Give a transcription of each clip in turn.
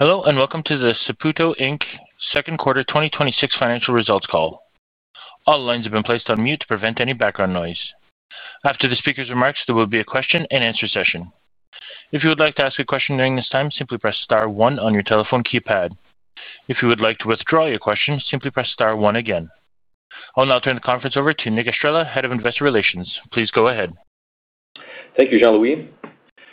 Hello, and welcome to the Saputo Second Quarter 2026 financial results call. All lines have been placed on mute to prevent any background noise. After the speaker's remarks, there will be a question-and-answer session. If you would like to ask a question during this time, simply press star one on your telephone keypad. If you would like to withdraw your question, simply press star one again. I'll now turn the conference over to Nick Estrela, Head of Investor Relations. Please go ahead. Thank you, Jean-Louis.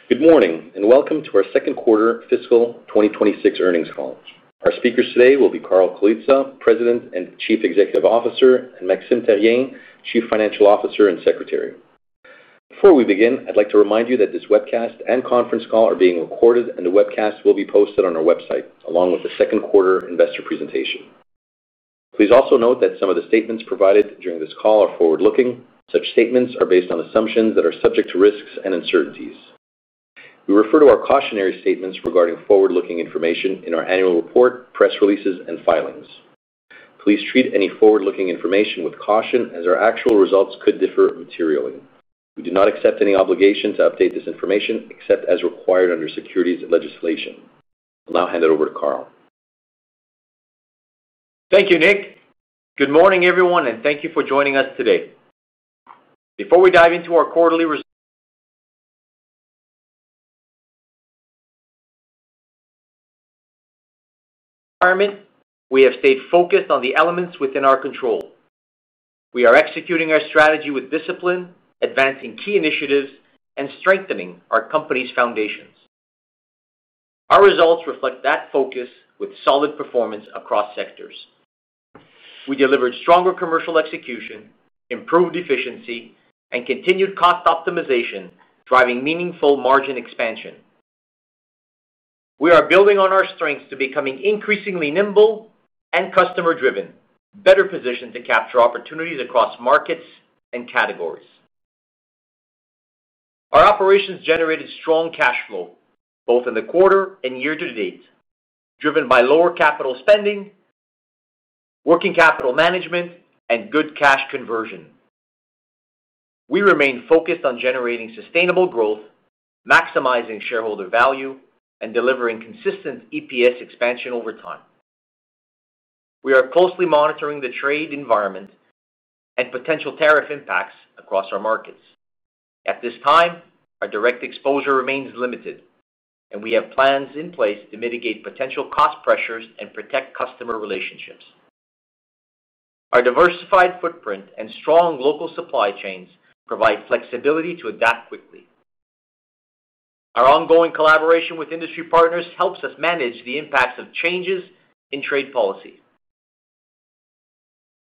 Good morning, and welcome to our Second Quarter Fiscal 2026 earnings call. Our speakers today will be Carl Colizza, President and Chief Executive Officer, and Maxime Therrien, Chief Financial Officer and Secretary. Before we begin, I'd like to remind you that this webcast and conference call are being recorded, and the webcast will be posted on our website, along with the Second Quarter investor presentation. Please also note that some of the statements provided during this call are forward-looking. Such statements are based on assumptions that are subject to risks and uncertainties. We refer to our cautionary statements regarding forward-looking information in our annual report, press releases, and filings. Please treat any forward-looking information with caution, as our actual results could differ materially. We do not accept any obligation to update this information except as required under securities legislation. I'll now hand it over to Carl. Thank you, Nick. Good morning, everyone, and thank you for joining us today. Before we dive into our quarterly results, we have stayed focused on the elements within our control. We are executing our strategy with discipline, advancing key initiatives, and strengthening our company's foundations. Our results reflect that focus with solid performance across sectors. We delivered stronger commercial execution, improved efficiency, and continued cost optimization, driving meaningful margin expansion. We are building on our strengths to becoming increasingly nimble and customer-driven, better positioned to capture opportunities across markets and categories. Our operations generated strong cash flow, both in the quarter and year-to-date, driven by lower capital spending, working capital management, and good cash conversion. We remain focused on generating sustainable growth, maximizing shareholder value, and delivering consistent EPS expansion over time. We are closely monitoring the trade environment and potential tariff impacts across our markets. At this time, our direct exposure remains limited, and we have plans in place to mitigate potential cost pressures and protect customer relationships. Our diversified footprint and strong local supply chains provide flexibility to adapt quickly. Our ongoing collaboration with industry partners helps us manage the impacts of changes in trade policy.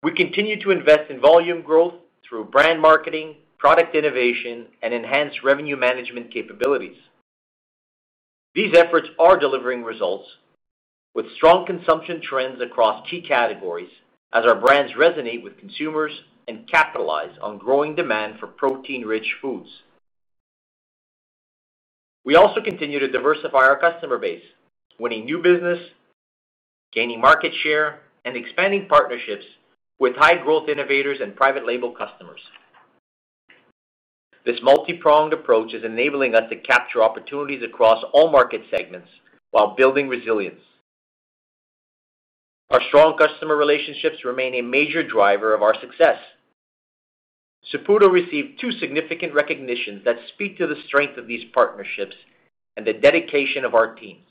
We continue to invest in volume growth through brand marketing, product innovation, and enhanced revenue management capabilities. These efforts are delivering results, with strong consumption trends across key categories, as our brands resonate with consumers and capitalize on growing demand for protein-rich foods. We also continue to diversify our customer base, winning new business, gaining market share, and expanding partnerships with high-growth innovators and private label customers. This multi-pronged approach is enabling us to capture opportunities across all market segments while building resilience. Our strong customer relationships remain a major driver of our success. Saputo received two significant recognitions that speak to the strength of these partnerships and the dedication of our teams.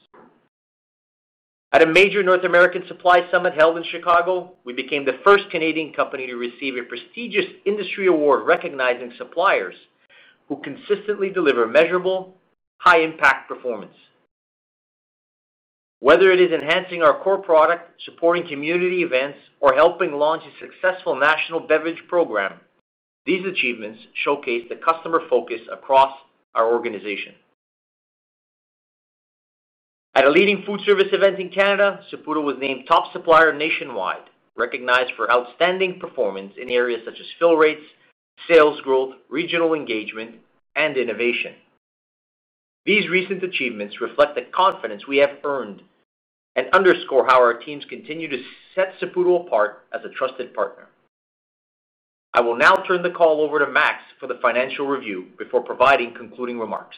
At a major North American supply summit held in Chicago, we became the first Canadian company to receive a prestigious industry award recognizing suppliers who consistently deliver measurable, high-impact performance. Whether it is enhancing our core product, supporting community events, or helping launch a successful national beverage program, these achievements showcase the customer focus across our organization. At a leading food service event in Canada, Saputo was named top supplier nationwide, recognized for outstanding performance in areas such as fill rates, sales growth, regional engagement, and innovation. These recent achievements reflect the confidence we have earned and underscore how our teams continue to set Saputo apart as a trusted partner. I will now turn the call over to Max for the financial review before providing concluding remarks.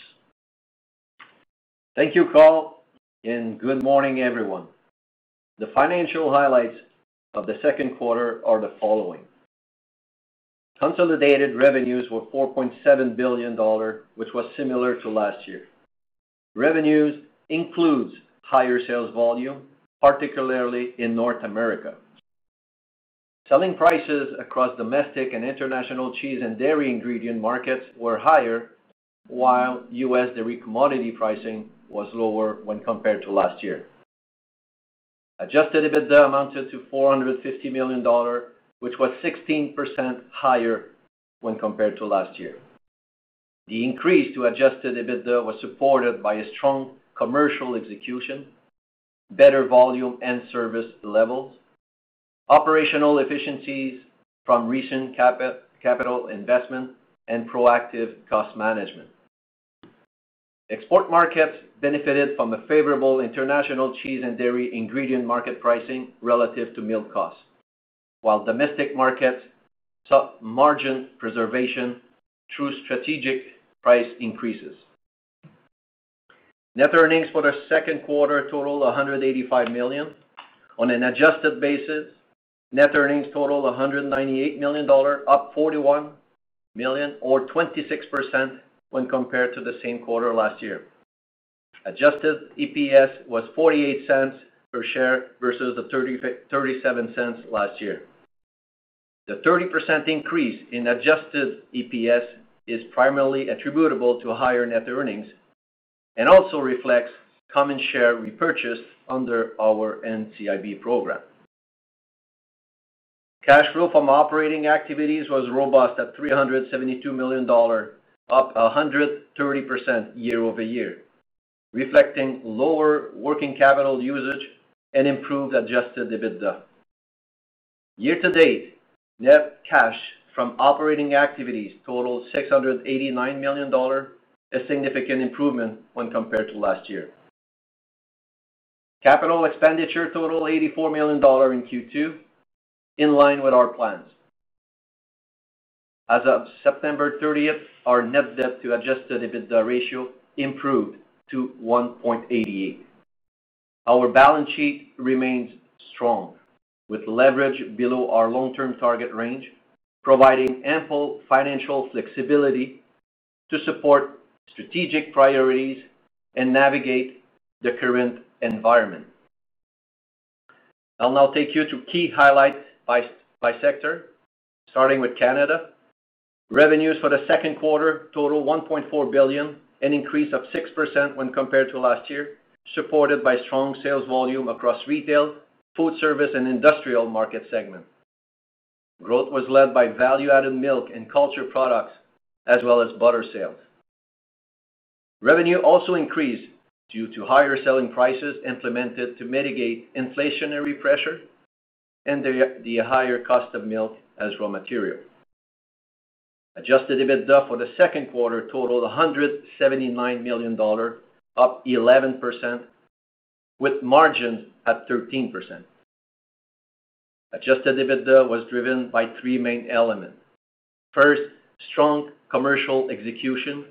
Thank you, Carl, and good morning, everyone. The financial highlights of the second quarter are the following. Consolidated revenues were $4.7 billion, which was similar to last year. Revenues include higher sales volume, particularly in North America. Selling prices across domestic and international cheese and dairy ingredient markets were higher, while U.S. dairy commodity pricing was lower when compared to last year. Adjusted EBITDA amounted to $450 million, which was 16% higher when compared to last year. The increase to adjusted EBITDA was supported by strong commercial execution, better volume and service levels, operational efficiencies from recent capital investment, and proactive cost management. Export markets benefited from a favorable international cheese and dairy ingredient market pricing relative to milk costs, while domestic markets saw margin preservation through strategic price increases. Net earnings for the second quarter totaled $185 million. On an adjusted basis, net earnings totaled $198 million, up $41 million, or 26% when compared to the same quarter last year. Adjusted EPS was $0.48 per share versus the $0.37 last year. The 30% increase in adjusted EPS is primarily attributable to higher net earnings and also reflects common share repurchase under our NCIB program. Cash flow from operating activities was robust at $372 million, up 130% year-over-year, reflecting lower working capital usage and improved adjusted EBITDA. Year-to-date, net cash from operating activities totaled $689 million, a significant improvement when compared to last year. Capital expenditure totaled $84 million in Q2, in line with our plans. As of September 30th, our net debt-to-adjusted EBITDA ratio improved to 1.88. Our balance sheet remains strong, with leverage below our long-term target range, providing ample financial flexibility to support strategic priorities and navigate the current environment. I'll now take you to key highlights by sector, starting with Canada. Revenues for the second quarter totaled $1.4 billion, an increase of 6% when compared to last year, supported by strong sales volume across retail, food service, and industrial market segments. Growth was led by value-added milk and culture products, as well as butter sales. Revenue also increased due to higher selling prices implemented to mitigate inflationary pressure and the higher cost of milk as raw material. Adjusted EBITDA for the second quarter totaled $179 million, up 11%, with margins at 13%. Adjusted EBITDA was driven by three main elements. First, strong commercial execution,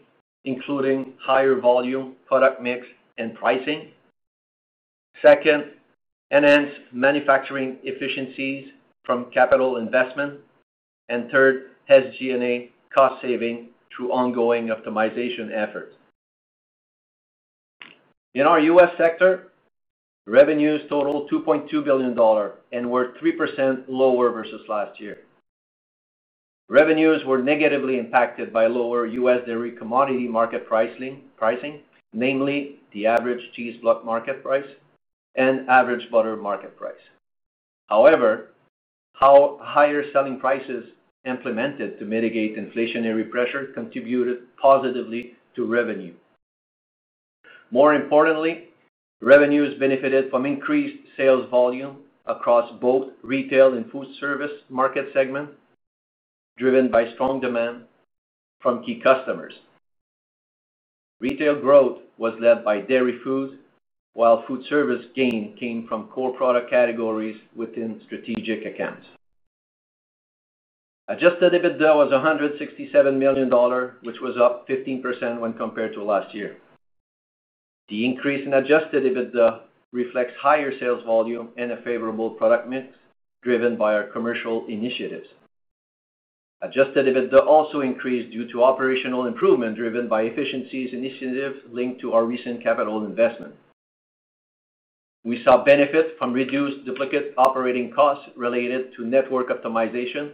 including higher volume, product mix, and pricing. Second, enhanced manufacturing efficiencies from capital investment. Third, G&A cost saving through ongoing optimization efforts. In our U.S. sector, revenues totaled $2.2 billion and were 3% lower versus last year. Revenues were negatively impacted by lower U.S. dairy commodity market pricing, namely the average cheese block market price and average butter market price. However, higher selling prices implemented to mitigate inflationary pressure contributed positively to revenue. More importantly, revenues benefited from increased sales volume across both retail and food service market segments, driven by strong demand from key customers. Retail growth was led by dairy foods, while food service gain came from core product categories within strategic accounts. Adjusted EBITDA was $167 million, which was up 15% when compared to last year. The increase in adjusted EBITDA reflects higher sales volume and a favorable product mix, driven by our commercial initiatives. Adjusted EBITDA also increased due to operational improvement, driven by efficiencies initiatives linked to our recent capital investment. We saw benefits from reduced duplicate operating costs related to network optimization,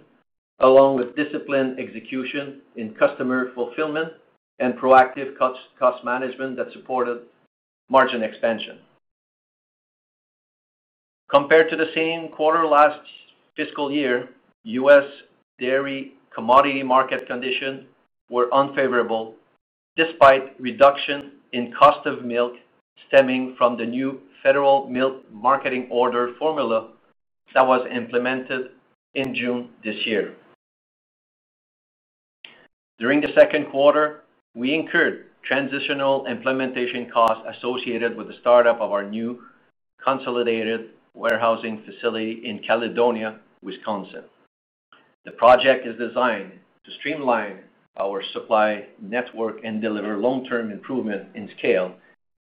along with disciplined execution in customer fulfillment and proactive cost management that supported margin expansion. Compared to the same quarter last fiscal year, U.S. dairy commodity market conditions were unfavorable, despite reductions in cost of milk stemming from the new Federal Milk Marketing Order formula that was implemented in June this year. During the second quarter, we incurred transitional implementation costs associated with the startup of our new consolidated warehousing facility in Caledonia, Wisconsin. The project is designed to streamline our supply network and deliver long-term improvement in scale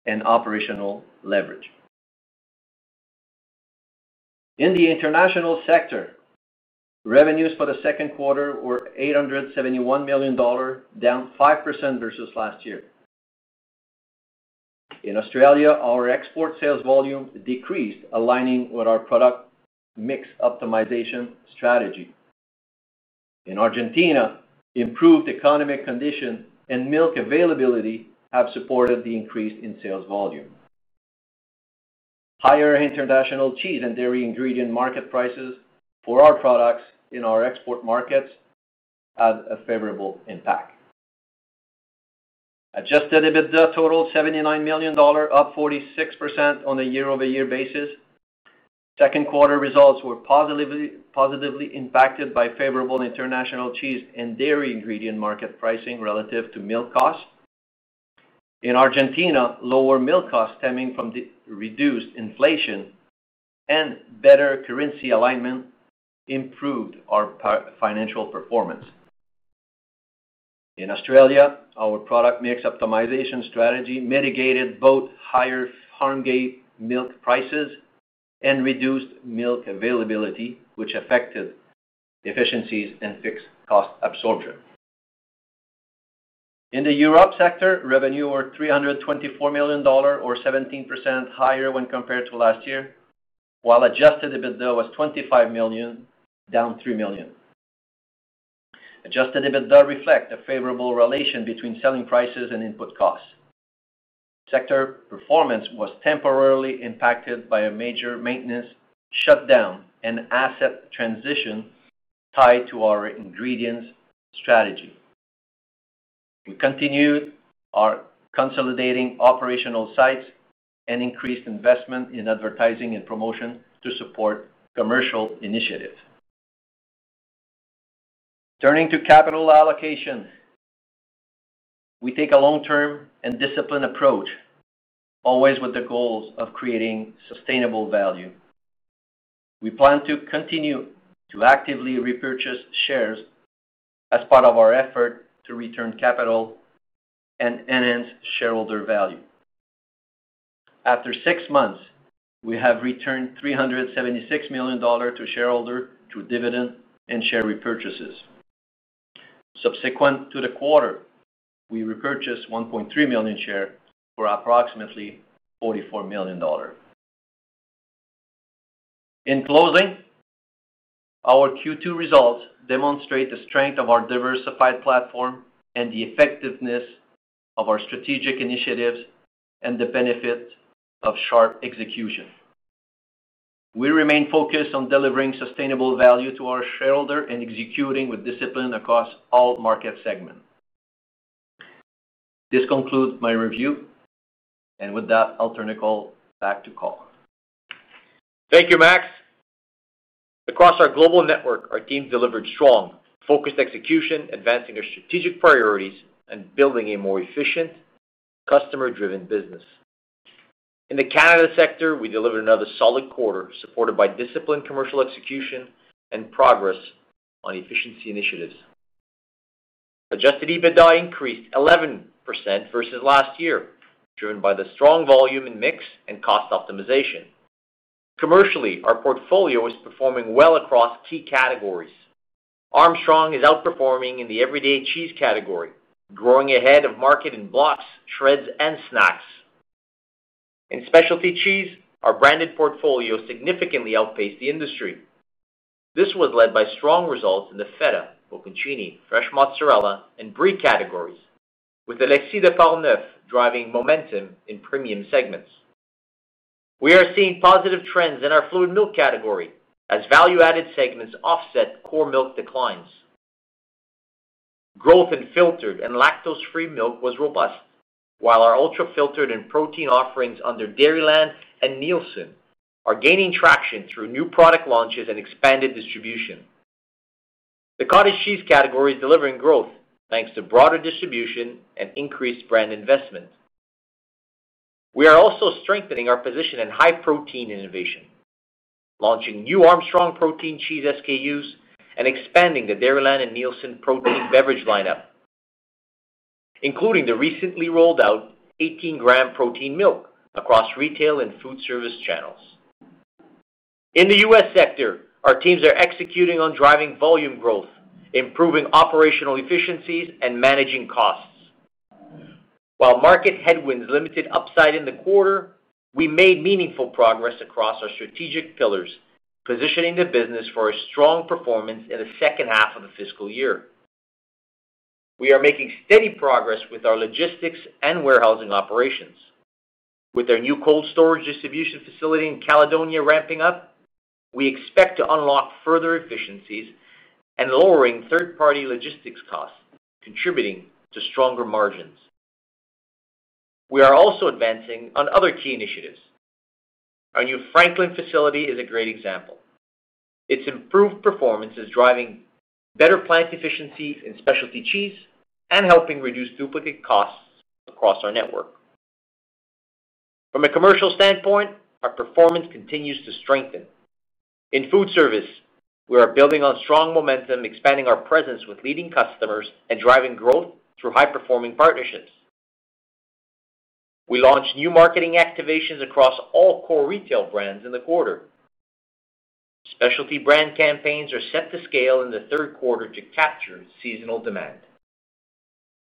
and operational leverage. In the international sector, revenues for the second quarter were $871 million, down 5% versus last year. In Australia, our export sales volume decreased, aligning with our product mix optimization strategy. In Argentina, improved economic conditions and milk availability have supported the increase in sales volume. Higher international cheese and dairy ingredient market prices for our products in our export markets had a favorable impact. Adjusted EBITDA totaled $79 million, up 46% on a year-over-year basis. Second quarter results were positively impacted by favorable international cheese and dairy ingredient market pricing relative to milk costs. In Argentina, lower milk costs stemming from reduced inflation and better currency alignment improved our financial performance. In Australia, our product mix optimization strategy mitigated both higher farm gate milk prices and reduced milk availability, which affected efficiencies and fixed cost absorption. In the Europe sector, revenue was $324 million, or 17% higher when compared to last year, while adjusted EBITDA was $25 million, down $3 million. Adjusted EBITDA reflects a favorable relation between selling prices and input costs. Sector performance was temporarily impacted by a major maintenance shutdown and asset transition tied to our ingredients strategy. We continued our consolidating operational sites and increased investment in advertising and promotion to support commercial initiatives. Turning to capital allocation, we take a long-term and disciplined approach, always with the goals of creating sustainable value. We plan to continue to actively repurchase shares as part of our effort to return capital and enhance shareholder value. After six months, we have returned $376 million to shareholders through dividend and share repurchases. Subsequent to the quarter, we repurchased 1.3 million shares for approximately $44 million. In closing, our Q2 results demonstrate the strength of our diversified platform and the effectiveness of our strategic initiatives and the benefit of sharp execution. We remain focused on delivering sustainable value to our shareholders and executing with discipline across all market segments. This concludes my review, and with that, I'll turn it back to Carl. Thank you, Max. Across our global network, our team delivered strong, focused execution, advancing our strategic priorities and building a more efficient, customer-driven business. In the Canada sector, we delivered another solid quarter, supported by disciplined commercial execution and progress on efficiency initiatives. Adjusted EBITDA increased 11% versus last year, driven by the strong volume and mix and cost optimization. Commercially, our portfolio is performing well across key categories. Armstrong is outperforming in the everyday cheese category, growing ahead of market in blocks, shreds, and snacks. In specialty cheese, our branded portfolio significantly outpaced the industry. This was led by strong results in the feta, bocconcini, fresh mozzarella, and brie categories, with the L'Extra de Parmeuf driving momentum in premium segments. We are seeing positive trends in our fluid milk category as value-added segments offset core milk declines. Growth in filtered and lactose-free milk was robust, while our ultra-filtered and protein offerings under Dairyland and Neilson are gaining traction through new product launches and expanded distribution. The cottage cheese category is delivering growth thanks to broader distribution and increased brand investment. We are also strengthening our position in high protein innovation, launching new Armstrong protein cheese SKUs and expanding the Dairyland and Neilson protein beverage lineup, including the recently rolled-out 18-gram protein milk across retail and food service channels. In the U.S. sector, our teams are executing on driving volume growth, improving operational efficiencies, and managing costs. While market headwinds limited upside in the quarter, we made meaningful progress across our strategic pillars, positioning the business for a strong performance in the second half of the fiscal year. We are making steady progress with our logistics and warehousing operations. With our new cold storage distribution facility in Caledonia ramping up, we expect to unlock further efficiencies and lowering third-party logistics costs, contributing to stronger margins. We are also advancing on other key initiatives. Our new Franklin facility is a great example. Its improved performance is driving better plant efficiencies in specialty cheese and helping reduce duplicate costs across our network. From a commercial standpoint, our performance continues to strengthen. In food service, we are building on strong momentum, expanding our presence with leading customers and driving growth through high-performing partnerships. We launched new marketing activations across all core retail brands in the quarter. Specialty brand campaigns are set to scale in the third quarter to capture seasonal demand.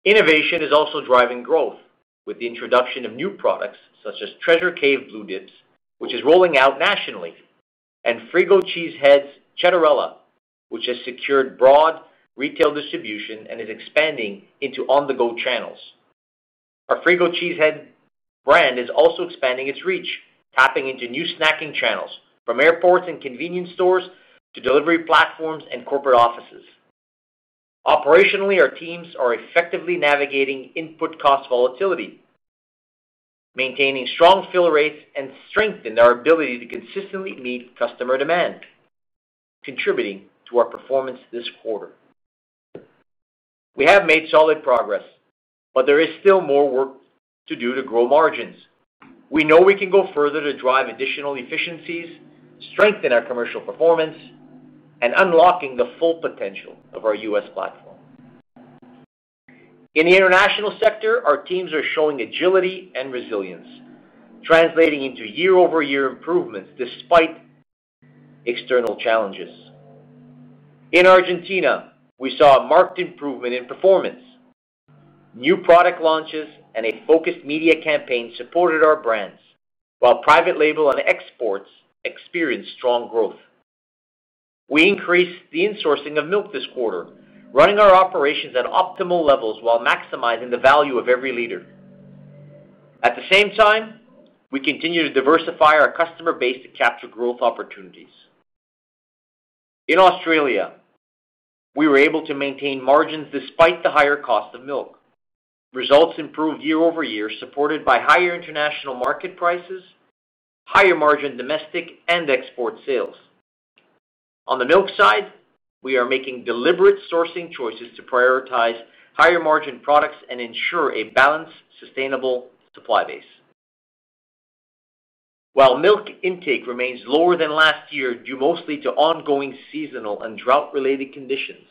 Innovation is also driving growth with the introduction of new products such as Treasure Cave Blue Dips, which is rolling out nationally, and Frigo Cheese Heads Cetarella, which has secured broad retail distribution and is expanding into on-the-go channels. Our Frigo Cheese Head brand is also expanding its reach, tapping into new snacking channels from airports and convenience stores to delivery platforms and corporate offices. Operationally, our teams are effectively navigating input cost volatility, maintaining strong fill rates, and strengthening our ability to consistently meet customer demand, contributing to our performance this quarter. We have made solid progress, but there is still more work to do to grow margins. We know we can go further to drive additional efficiencies, strengthen our commercial performance, and unlock the full potential of our U.S. platform. In the international sector, our teams are showing agility and resilience, translating into year-over-year improvements despite external challenges. In Argentina, we saw a marked improvement in performance. New product launches and a focused media campaign supported our brands, while private label on exports experienced strong growth. We increased the insourcing of milk this quarter, running our operations at optimal levels while maximizing the value of every liter. At the same time, we continue to diversify our customer base to capture growth opportunities. In Australia, we were able to maintain margins despite the higher cost of milk. Results improved year-over-year, supported by higher international market prices, higher margin domestic and export sales. On the milk side, we are making deliberate sourcing choices to prioritize higher margin products and ensure a balanced, sustainable supply base. While milk intake remains lower than last year due mostly to ongoing seasonal and drought-related conditions,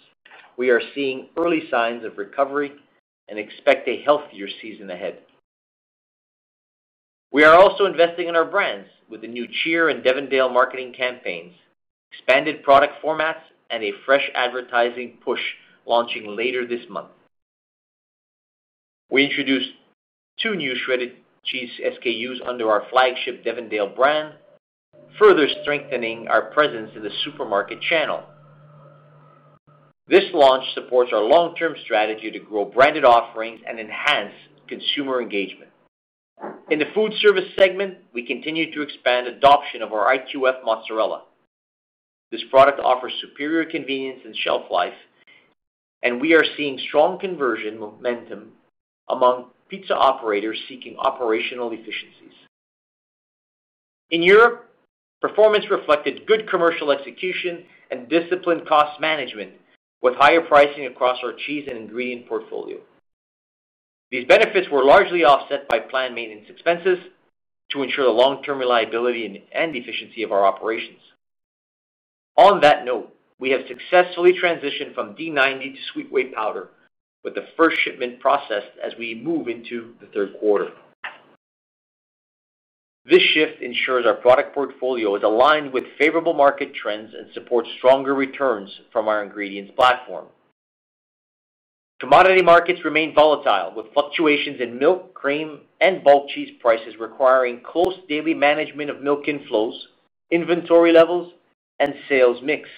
we are seeing early signs of recovery and expect a healthier season ahead. We are also investing in our brands with the new Cheer and Devondale marketing campaigns, expanded product formats, and a fresh advertising push launching later this month. We introduced two new shredded cheese SKUs under our flagship Devondale brand, further strengthening our presence in the supermarket channel. This launch supports our long-term strategy to grow branded offerings and enhance consumer engagement. In the food service segment, we continue to expand adoption of our IQF mozzarella. This product offers superior convenience and shelf life, and we are seeing strong conversion momentum among pizza operators seeking operational efficiencies. In Europe, performance reflected good commercial execution and disciplined cost management, with higher pricing across our cheese and ingredient portfolio. These benefits were largely offset by planned maintenance expenses to ensure the long-term reliability and efficiency of our operations. On that note, we have successfully transitioned from D90 to sweet whey powder, with the first shipment processed as we move into the third quarter. This shift ensures our product portfolio is aligned with favorable market trends and supports stronger returns from our ingredients platform. Commodity markets remain volatile, with fluctuations in milk, cream, and bulk cheese prices requiring close daily management of milk inflows, inventory levels, and sales mix.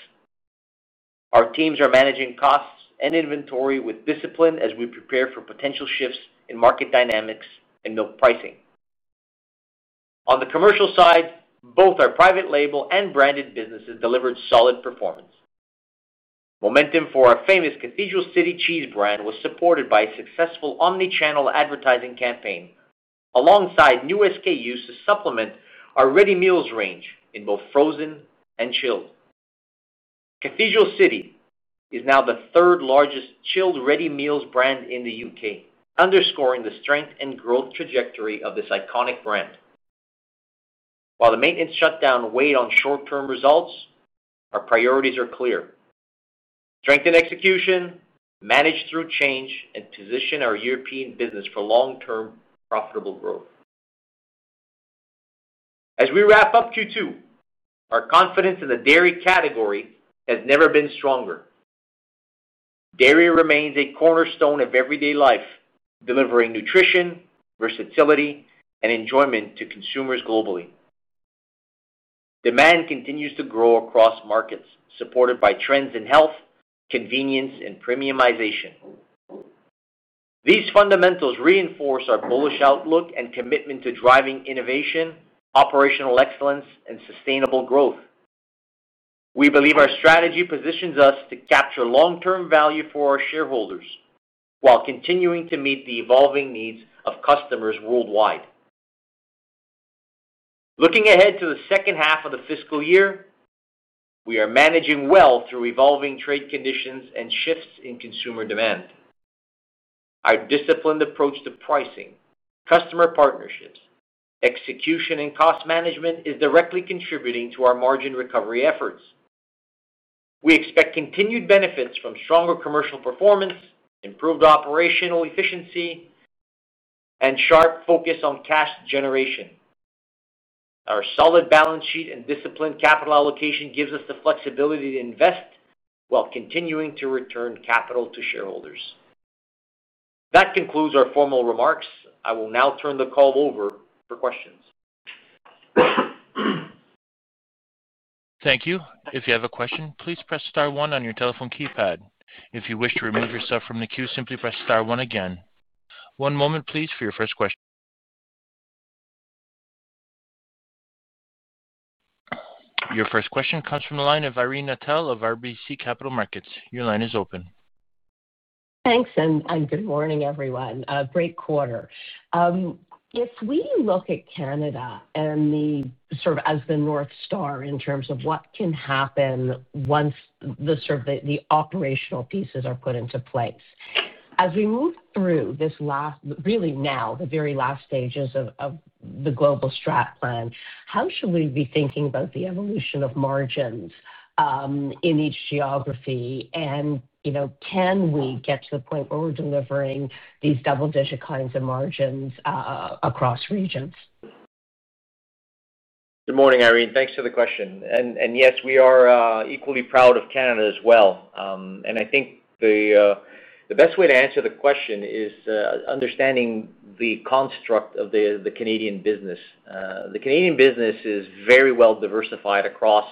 Our teams are managing costs and inventory with discipline as we prepare for potential shifts in market dynamics and milk pricing. On the commercial side, both our private label and branded businesses delivered solid performance. Momentum for our famous Cathedral City cheese brand was supported by a successful omnichannel advertising campaign alongside new SKUs to supplement our ready meals range in both frozen and chilled. Cathedral City is now the third-largest chilled ready meals brand in the U.K., underscoring the strength and growth trajectory of this iconic brand. While the maintenance shutdown weighed on short-term results, our priorities are clear: strengthen execution, manage through change, and position our European business for long-term profitable growth. As we wrap up Q2, our confidence in the dairy category has never been stronger. Dairy remains a cornerstone of everyday life, delivering nutrition, versatility, and enjoyment to consumers globally. Demand continues to grow across markets, supported by trends in health, convenience, and premiumization. These fundamentals reinforce our bullish outlook and commitment to driving innovation, operational excellence, and sustainable growth. We believe our strategy positions us to capture long-term value for our shareholders while continuing to meet the evolving needs of customers worldwide. Looking ahead to the second half of the fiscal year, we are managing well through evolving trade conditions and shifts in consumer demand. Our disciplined approach to pricing, customer partnerships, execution, and cost management is directly contributing to our margin recovery efforts. We expect continued benefits from stronger commercial performance, improved operational efficiency, and sharp focus on cash generation. Our solid balance sheet and disciplined capital allocation give us the flexibility to invest while continuing to return capital to shareholders. That concludes our formal remarks. I will now turn the call over for questions. Thank you. If you have a question, please press Star one on your telephone keypad. If you wish to remove yourself from the queue, simply press Star one again. One moment, please, for your first question. Your first question comes from the line of Irene Nettel of RBC Capital Markets. Your line is open. Thanks, and good morning, everyone. Great quarter. If we look at Canada and the sort of as the North Star in terms of what can happen once the sort of the operational pieces are put into place, as we move through this last, really now, the very last stages of the global strat plan, how should we be thinking about the evolution of margins in each geography? And can we get to the point where we're delivering these double-digit kinds of margins across regions? Good morning, Irene. Thanks for the question. Yes, we are equally proud of Canada as well. I think the best way to answer the question is understanding the construct of the Canadian business. The Canadian business is very well diversified across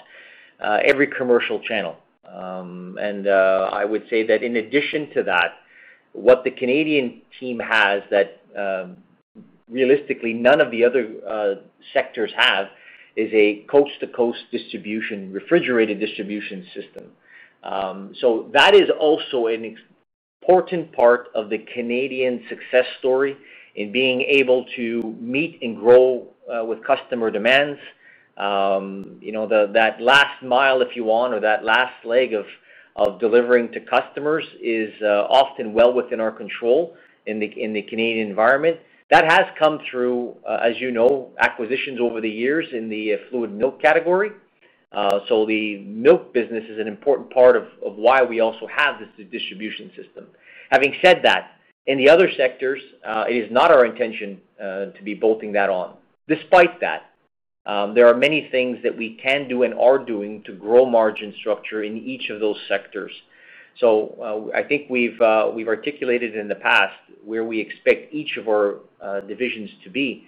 every commercial channel. I would say that in addition to that, what the Canadian team has that realistically none of the other sectors have is a coast-to-coast distribution, refrigerated distribution system. That is also an important part of the Canadian success story in being able to meet and grow with customer demands. That last mile, if you want, or that last leg of delivering to customers is often well within our control in the Canadian environment. That has come through, as you know, acquisitions over the years in the fluid milk category. The milk business is an important part of why we also have this distribution system. Having said that, in the other sectors, it is not our intention to be bolting that on. Despite that, there are many things that we can do and are doing to grow margin structure in each of those sectors. I think we've articulated in the past where we expect each of our divisions to be.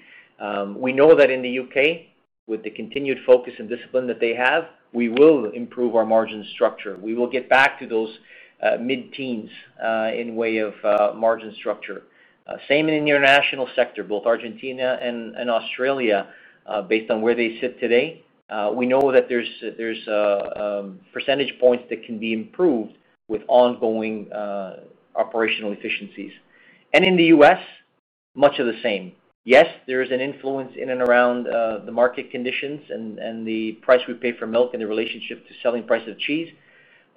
We know that in the U.K., with the continued focus and discipline that they have, we will improve our margin structure. We will get back to those mid-teens in way of margin structure. Same in the international sector, both Argentina and Australia, based on where they sit today, we know that there's percentage points that can be improved with ongoing operational efficiencies. In the U.S., much of the same. Yes, there is an influence in and around the market conditions and the price we pay for milk and the relationship to selling price of cheese.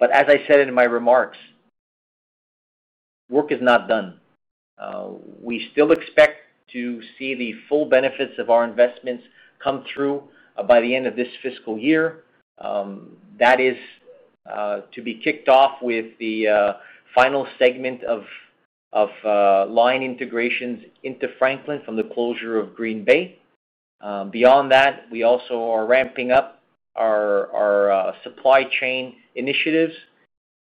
As I said in my remarks, work is not done. We still expect to see the full benefits of our investments come through by the end of this fiscal year. That is to be kicked off with the final segment of line integrations into Franklin from the closure of Green Bay. Beyond that, we also are ramping up our supply chain initiatives,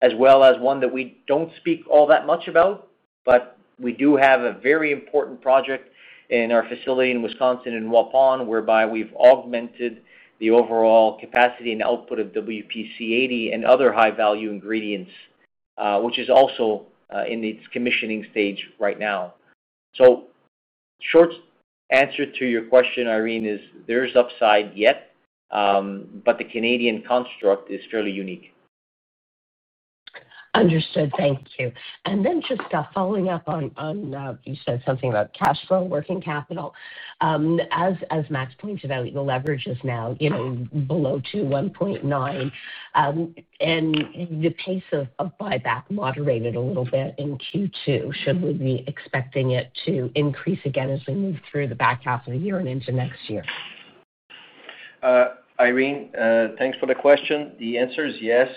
as well as one that we do not speak all that much about, but we do have a very important project in our facility in Wisconsin and Waupun, whereby we have augmented the overall capacity and output of WPC 80 and other high-value ingredients, which is also in its commissioning stage right now. Short answer to your question, Irene, is there is upside yet, but the Canadian construct is fairly unique. Understood. Thank you. And then just following up on, you said something about cash flow, working capital. As Max pointed out, the leverage is now below 2.9. The pace of buyback moderated a little bit in Q2. Should we be expecting it to increase again as we move through the back half of the year and into next year? Irene, thanks for the question. The answer is yes.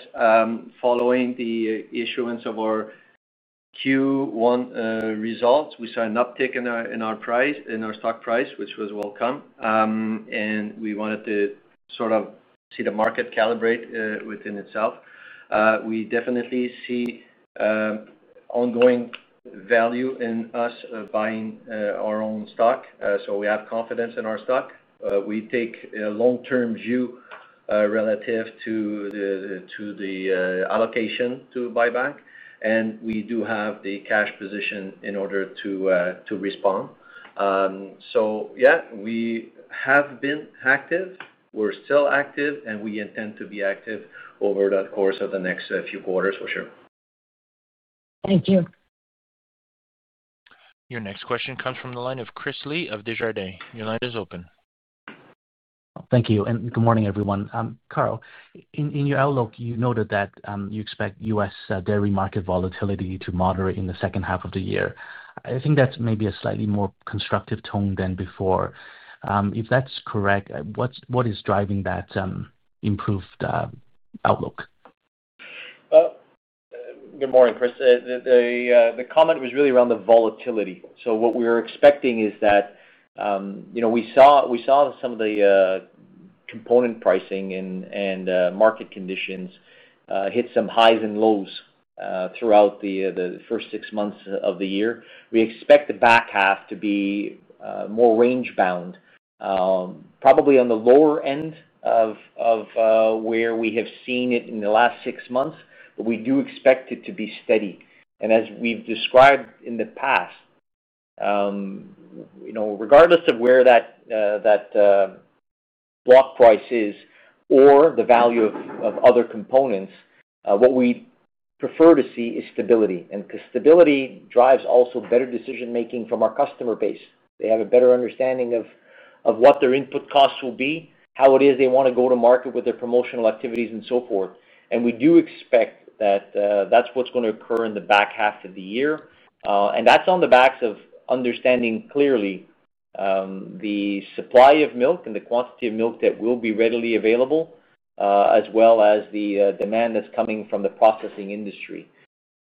Following the issuance of our Q1 results, we saw an uptick in our stock price, which was welcome. We wanted to sort of see the market calibrate within itself. We definitely see ongoing value in us buying our own stock. We have confidence in our stock. We take a long-term view relative to the allocation to buyback. We do have the cash position in order to respond. Yeah, we have been active. We are still active, and we intend to be active over the course of the next few quarters for sure. Thank you. Your next question comes from the line of Chris Li of Desjardins. Your line is open. Thank you. Good morning, everyone. Carl, in your outlook, you noted that you expect U.S. dairy market volatility to moderate in the second half of the year. I think that's maybe a slightly more constructive tone than before. If that's correct, what is driving that improved outlook? Good morning, Chris. The comment was really around the volatility. What we were expecting is that we saw some of the component pricing and market conditions hit some highs and lows throughout the first six months of the year. We expect the back half to be more range-bound, probably on the lower end of where we have seen it in the last six months, but we do expect it to be steady. As we have described in the past, regardless of where that block price is or the value of other components, what we prefer to see is stability. Stability drives also better decision-making from our customer base. They have a better understanding of what their input costs will be, how it is they want to go to market with their promotional activities, and so forth. We do expect that that's what's going to occur in the back half of the year. That's on the backs of understanding clearly the supply of milk and the quantity of milk that will be readily available, as well as the demand that's coming from the processing industry.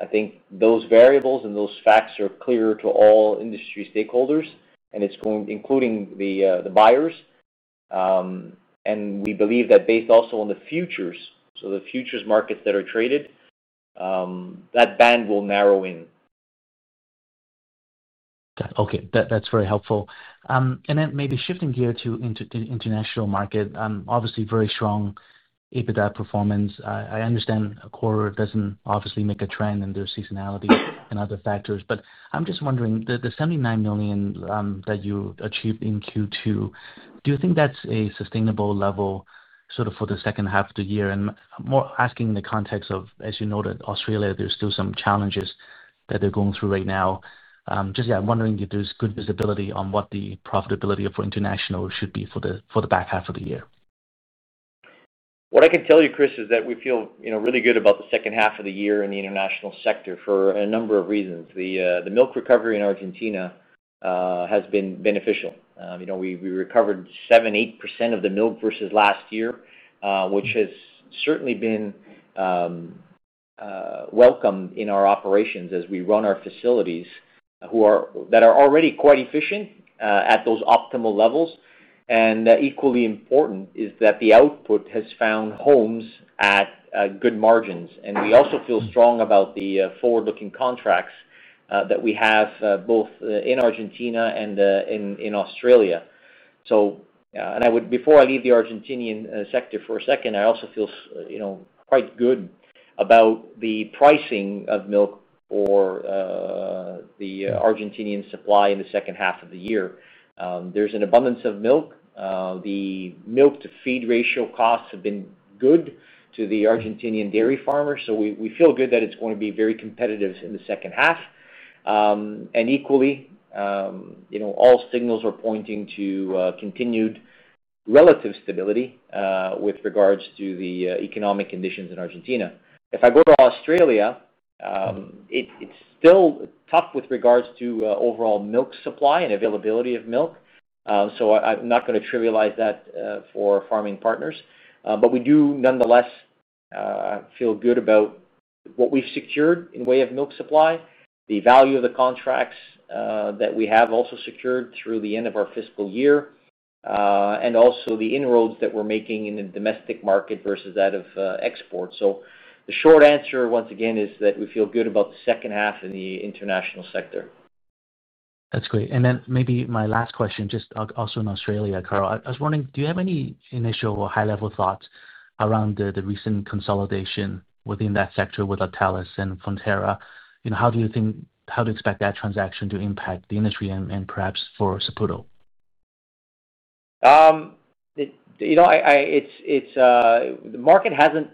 I think those variables and those facts are clear to all industry stakeholders, including the buyers. We believe that based also on the futures, so the futures markets that are traded, that band will narrow in. Okay. That's very helpful. Maybe shifting gear to international market, obviously very strong EBITDA performance. I understand a quarter does not obviously make a trend and there is seasonality and other factors. I'm just wondering, the $79 million that you achieved in Q2, do you think that's a sustainable level for the second half of the year? I'm more asking in the context of, as you noted, Australia, there are still some challenges that they are going through right now. I'm wondering if there is good visibility on what the profitability for international should be for the back half of the year. What I can tell you, Chris, is that we feel really good about the second half of the year in the international sector for a number of reasons. The milk recovery in Argentina has been beneficial. We recovered 7-8% of the milk versus last year, which has certainly been welcome in our operations as we run our facilities that are already quite efficient at those optimal levels. Equally important is that the output has found homes at good margins. We also feel strong about the forward-looking contracts that we have both in Argentina and in Australia. Before I leave the Argentinian sector for a second, I also feel quite good about the pricing of milk for the Argentinian supply in the second half of the year. There's an abundance of milk. The milk-to-feed ratio costs have been good to the Argentinian dairy farmers. We feel good that it's going to be very competitive in the second half. Equally, all signals are pointing to continued relative stability with regards to the economic conditions in Argentina. If I go to Australia, it's still tough with regards to overall milk supply and availability of milk. I'm not going to trivialize that for farming partners. We do, nonetheless, feel good about what we've secured in way of milk supply, the value of the contracts that we have also secured through the end of our fiscal year, and also the inroads that we're making in the domestic market versus that of export. The short answer, once again, is that we feel good about the second half in the international sector. That's great. Maybe my last question, just also in Australia, Carl, I was wondering, do you have any initial or high-level thoughts around the recent consolidation within that sector with Lactalis and Fonterra? How do you think, how to expect that transaction to impact the industry and perhaps for Saputo? The market hasn't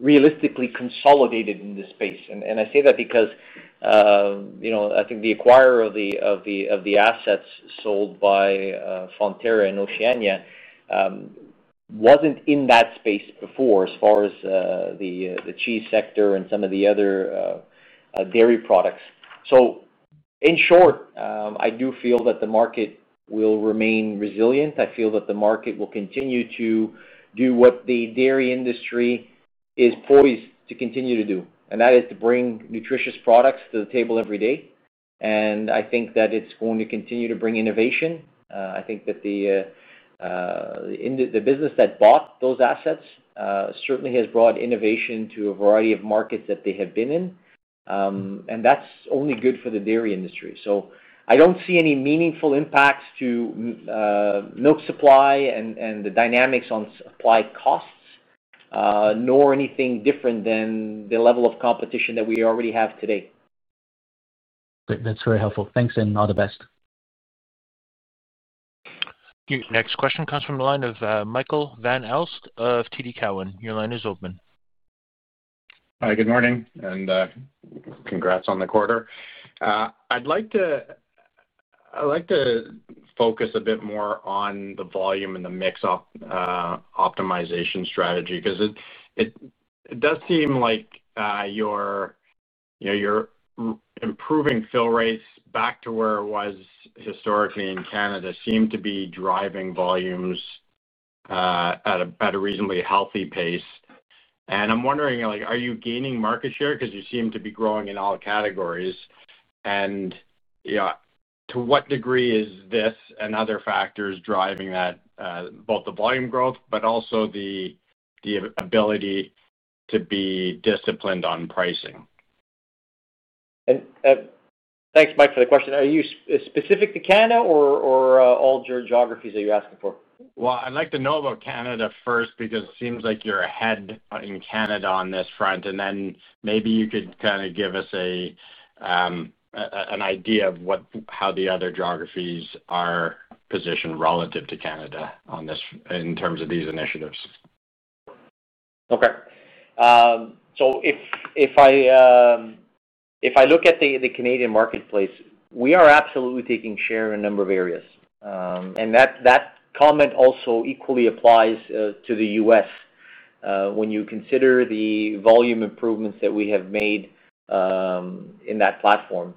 realistically consolidated in this space. I say that because I think the acquirer of the assets sold by Fonterra in Oceania wasn't in that space before as far as the cheese sector and some of the other dairy products. In short, I do feel that the market will remain resilient. I feel that the market will continue to do what the dairy industry is poised to continue to do. That is to bring nutritious products to the table every day. I think that it's going to continue to bring innovation. I think that the business that bought those assets certainly has brought innovation to a variety of markets that they have been in. That's only good for the dairy industry. I don't see any meaningful impacts to milk supply and the dynamics on supply costs, nor anything different than the level of competition that we already have today. That's very helpful. Thanks and all the best. Next question comes from the line of Michael Van Aelst of TD Cowen. Your line is open. Hi, good morning. Congrats on the quarter. I'd like to focus a bit more on the volume and the mix optimization strategy because it does seem like your improving fill rates back to where it was historically in Canada seem to be driving volumes at a reasonably healthy pace. I'm wondering, are you gaining market share because you seem to be growing in all categories? To what degree is this and other factors driving that, both the volume growth, but also the ability to be disciplined on pricing? Thanks, Mike, for the question. Are you specific to Canada or all geographies are you asking for? I'd like to know about Canada first because it seems like you're ahead in Canada on this front. And then maybe you could kind of give us an idea of how the other geographies are positioned relative to Canada in terms of these initiatives. Okay. If I look at the Canadian marketplace, we are absolutely taking share in a number of areas. That comment also equally applies to the U.S. when you consider the volume improvements that we have made in that platform.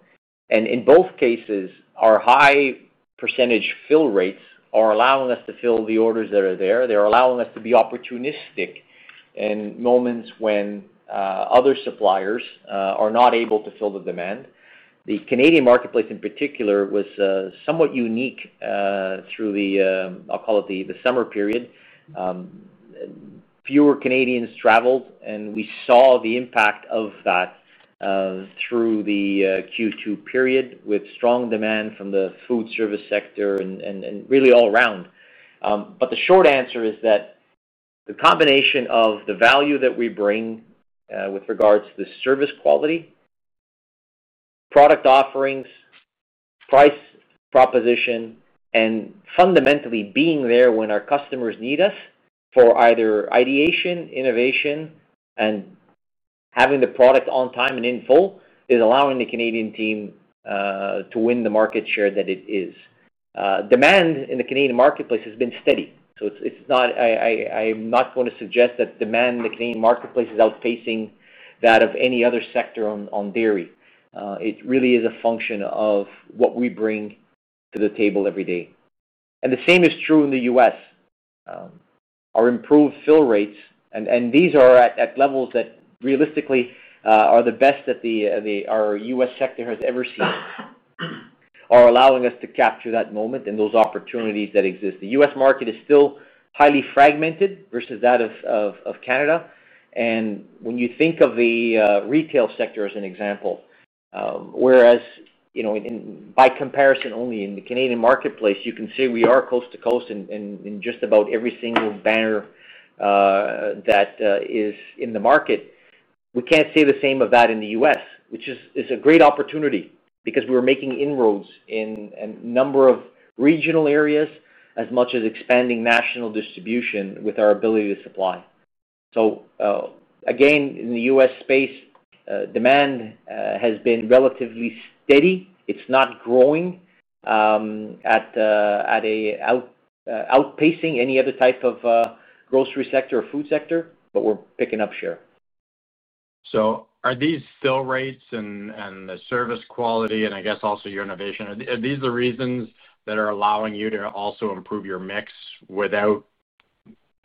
In both cases, our high percentage fill rates are allowing us to fill the orders that are there. They are allowing us to be opportunistic in moments when other suppliers are not able to fill the demand. The Canadian marketplace, in particular, was somewhat unique through the, I'll call it the summer period. Fewer Canadians traveled, and we saw the impact of that through the Q2 period with strong demand from the food service sector and really all around. The short answer is that the combination of the value that we bring with regards to the service quality, product offerings, price proposition, and fundamentally being there when our customers need us for either ideation, innovation, and having the product on time and in full is allowing the Canadian team to win the market share that it is. Demand in the Canadian marketplace has been steady. I'm not going to suggest that demand in the Canadian marketplace is outpacing that of any other sector on dairy. It really is a function of what we bring to the table every day. The same is true in the U.S. Our improved fill rates, and these are at levels that realistically are the best that our U.S. sector has ever seen, are allowing us to capture that moment and those opportunities that exist. The U.S. market is still highly fragmented versus that of Canada. When you think of the retail sector as an example, whereas by comparison only in the Canadian marketplace, you can say we are coast to coast in just about every single banner that is in the market. We can't say the same of that in the U.S., which is a great opportunity because we were making inroads in a number of regional areas as much as expanding national distribution with our ability to supply. Again, in the U.S. space, demand has been relatively steady. It's not growing at an outpacing any other type of grocery sector or food sector, but we're picking up share. Are these fill rates and the service quality and I guess also your innovation, are these the reasons that are allowing you to also improve your mix without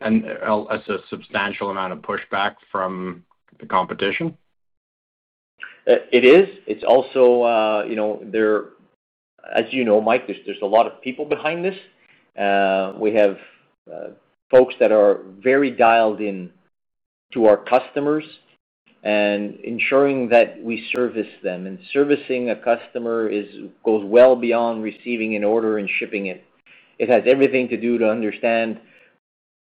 a substantial amount of pushback from the competition? It is. It's also there, as you know, Mike, there's a lot of people behind this. We have folks that are very dialed in to our customers and ensuring that we service them. Servicing a customer goes well beyond receiving an order and shipping it. It has everything to do to understand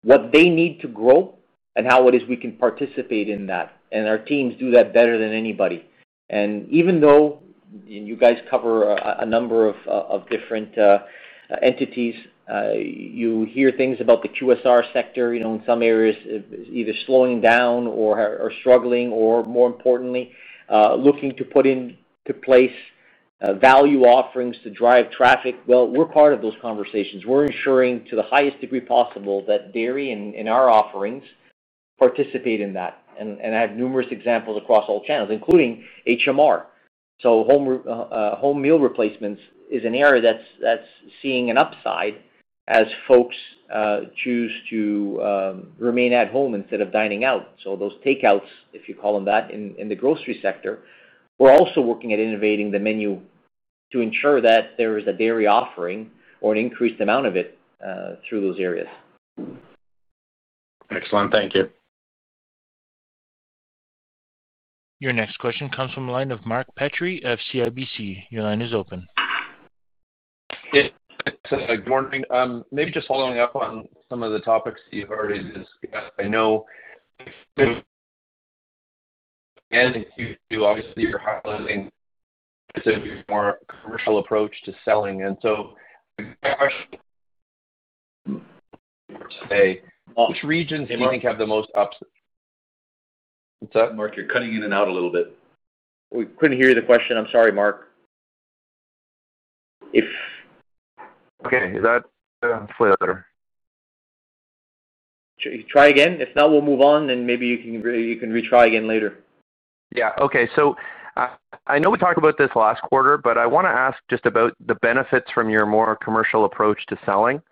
what they need to grow and how it is we can participate in that. Our teams do that better than anybody. Even though you guys cover a number of different entities, you hear things about the QSR sector in some areas either slowing down or struggling or, more importantly, looking to put into place value offerings to drive traffic. We are part of those conversations. We are ensuring to the highest degree possible that dairy and our offerings participate in that. I have numerous examples across all channels, including HMR. Home meal replacements is an area that's seeing an upside as folks choose to remain at home instead of dining out. Those takeouts, if you call them that, in the grocery sector, we're also working at innovating the menu to ensure that there is a dairy offering or an increased amount of it through those areas. Excellent. Thank you. Your next question comes from the line of Mark Petrie of CIBC. Your line is open. Good morning. Maybe just following up on some of the topics you've already discussed. I know again, obviously, you're highlighting a more commercial approach to selling. My question for today, which regions do you think have the most ups? What's that? Mark, you're cutting in and out a little bit. We could not hear you, the question. I'm sorry, Mark. Okay. Is that clear? Try again. If not, we'll move on, and maybe you can retry again later. Yeah. Okay. I know we talked about this last quarter, but I want to ask just about the benefits from your more commercial approach to selling.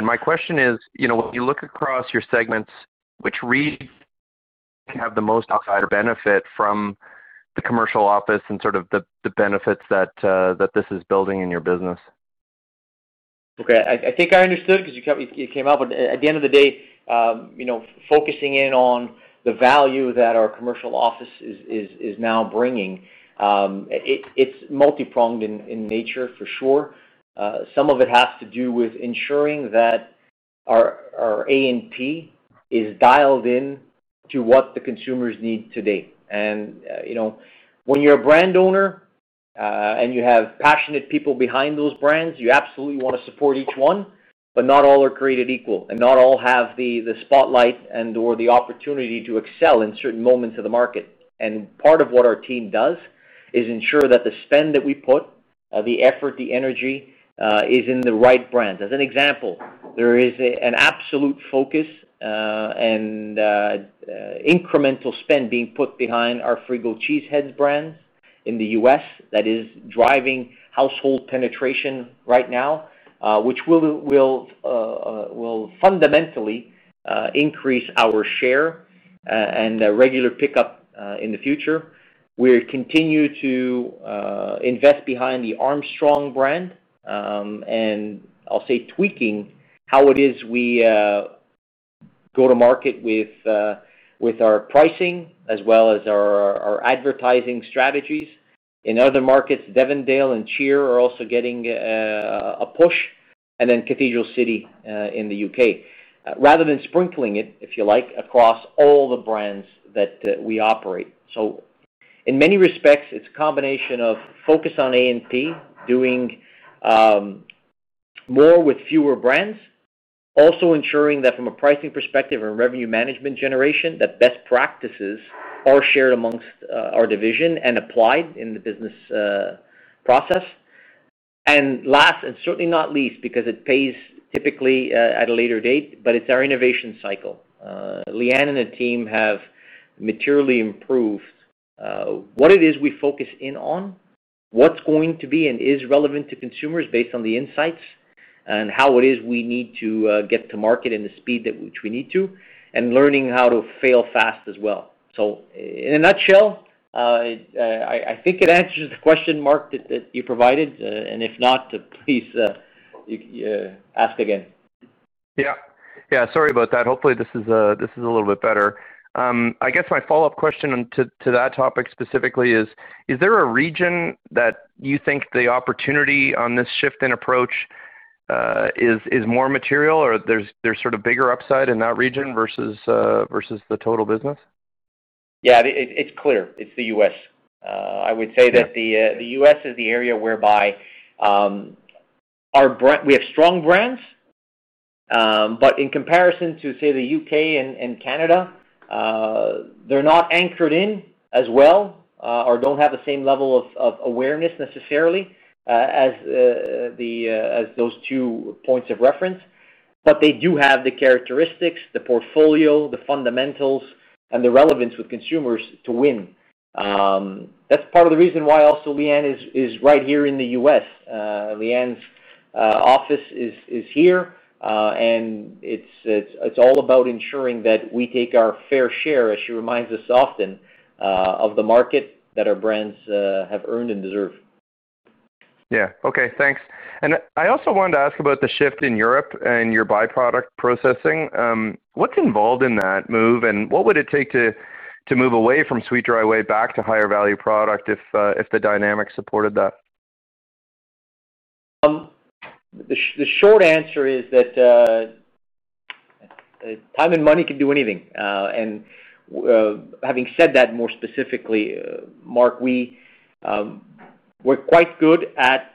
My question is, when you look across your segments, which regions have the most outside benefit from the commercial office and sort of the benefits that this is building in your business? Okay. I think I understood because you came up with, at the end of the day, focusing in on the value that our commercial office is now bringing. It is multi-pronged in nature, for sure. Some of it has to do with ensuring that our A&P is dialed in to what the consumers need today. And when you are a brand owner and you have passionate people behind those brands, you absolutely want to support each one, but not all are created equal and not all have the spotlight and/or the opportunity to excel in certain moments of the market. Part of what our team does is ensure that the spend that we put, the effort, the energy is in the right brands. As an example, there is an absolute focus and incremental spend being put behind our Frigo Cheese Heads brands in the U.S. that is driving household penetration right now, which will fundamentally increase our share and regular pickup in the future. We continue to invest behind the Armstrong brand and, I'll say, tweaking how it is we go to market with our pricing as well as our advertising strategies. In other markets, Devondale and Cheer are also getting a push, and then Cathedral City in the U.K., rather than sprinkling it, if you like, across all the brands that we operate. In many respects, it's a combination of focus on A&P, doing more with fewer brands, also ensuring that from a pricing perspective and revenue management generation, that best practices are shared amongst our division and applied in the business process. Last, and certainly not least, because it pays typically at a later date, but it is our innovation cycle. Leanne and her team have materially improved what it is we focus in on, what is going to be and is relevant to consumers based on the insights and how it is we need to get to market in the speed which we need to, and learning how to fail fast as well. In a nutshell, I think it answers the question, Mark, that you provided. If not, please ask again. Yeah. Yeah. Sorry about that. Hopefully, this is a little bit better. I guess my follow-up question to that topic specifically is, is there a region that you think the opportunity on this shift in approach is more material or there's sort of bigger upside in that region versus the total business? Yeah. It's clear. It's the U.S. I would say that the U.S. is the area whereby we have strong brands, but in comparison to, say, the U.K. and Canada, they're not anchored in as well or don't have the same level of awareness necessarily as those two points of reference. They do have the characteristics, the portfolio, the fundamentals, and the relevance with consumers to win. That's part of the reason why also Leanne is right here in the U.S. Leanne's office is here, and it's all about ensuring that we take our fair share, as she reminds us often, of the market that our brands have earned and deserve. Yeah. Okay. Thanks. I also wanted to ask about the shift in Europe and your byproduct processing. What's involved in that move, and what would it take to move away from sweet dry whey back to higher value product if the dynamic supported that? The short answer is that time and money can do anything. Having said that, more specifically, Mark, we're quite good at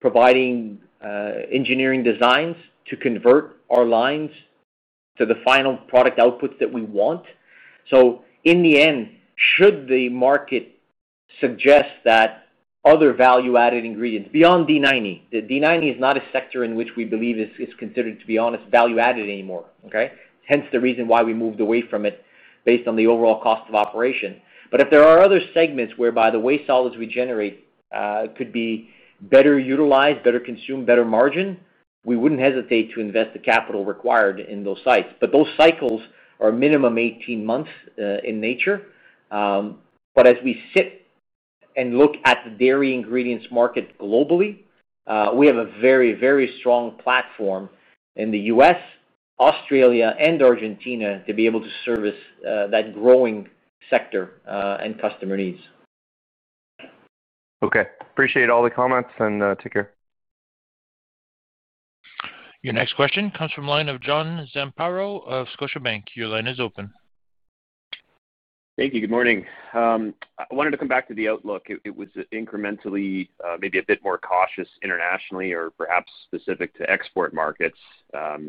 providing engineering designs to convert our lines to the final product outputs that we want. In the end, should the market suggest that other value-added ingredients beyond D90, D90 is not a sector in which we believe is considered, to be honest, value-added anymore, okay? Hence the reason why we moved away from it based on the overall cost of operation. If there are other segments whereby the whey solids we generate could be better utilized, better consumed, better margin, we wouldn't hesitate to invest the capital required in those sites. Those cycles are minimum 18 months in nature. As we sit and look at the dairy ingredients market globally, we have a very, very strong platform in the U.S., Australia, and Argentina to be able to service that growing sector and customer needs. Okay. Appreciate all the comments and take care. Your next question comes from the line of John Zampetto of Scotiabank. Your line is open. Thank you. Good morning. I wanted to come back to the outlook. It was incrementally maybe a bit more cautious internationally or perhaps specific to export markets.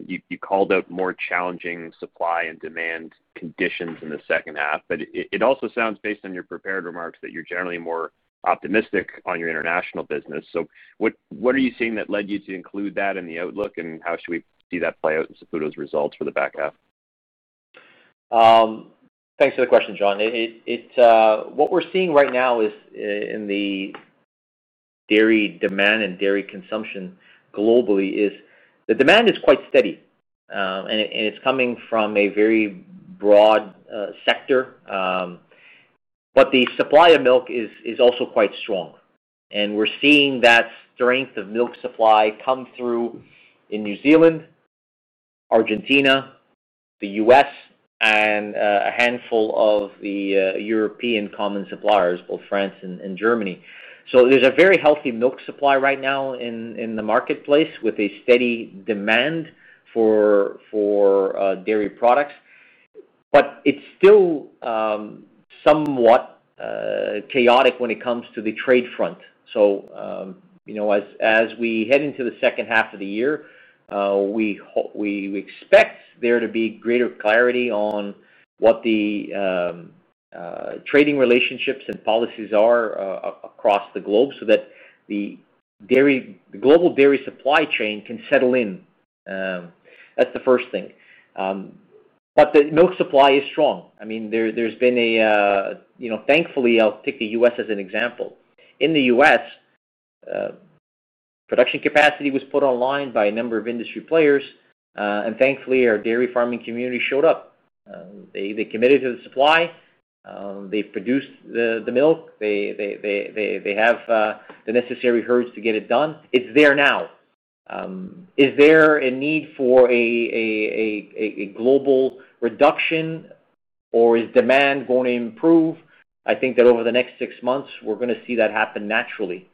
You called out more challenging supply and demand conditions in the second half. It also sounds, based on your prepared remarks, that you're generally more optimistic on your international business. What are you seeing that led you to include that in the outlook, and how should we see that play out in Saputo's results for the back half? Thanks for the question, John. What we're seeing right now in the dairy demand and dairy consumption globally is the demand is quite steady, and it's coming from a very broad sector. The supply of milk is also quite strong. We're seeing that strength of milk supply come through in New Zealand, Argentina, the U.S., and a handful of the European common suppliers, both France and Germany. There is a very healthy milk supply right now in the marketplace with a steady demand for dairy products. It is still somewhat chaotic when it comes to the trade front. As we head into the second half of the year, we expect there to be greater clarity on what the trading relationships and policies are across the globe so that the global dairy supply chain can settle in. That's the first thing. The milk supply is strong. I mean, there's been a thankfully, I'll pick the U.S. as an example. In the U.S., production capacity was put online by a number of industry players, and thankfully, our dairy farming community showed up. They committed to the supply. They've produced the milk. They have the necessary herds to get it done. It's there now. Is there a need for a global reduction, or is demand going to improve? I think that over the next six months, we're going to see that happen naturally.